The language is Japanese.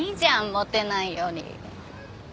モテないより。